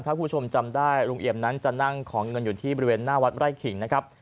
ถ้าคุณผู้ชมจำได้ลุงเอี่ยมนั้นจะนั่งของเงินอยู่ที่บริเวณหน้าวัดไร่ขิงนะครับ